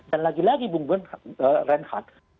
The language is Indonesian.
dan lagi lagi bung ben reinhardt